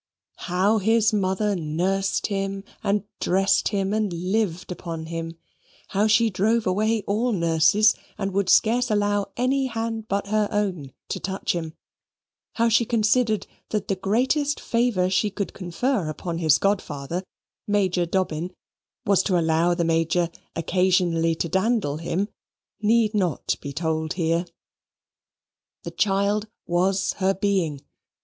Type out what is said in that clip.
How his mother nursed him, and dressed him, and lived upon him; how she drove away all nurses, and would scarce allow any hand but her own to touch him; how she considered that the greatest favour she could confer upon his godfather, Major Dobbin, was to allow the Major occasionally to dandle him, need not be told here. This child was her being.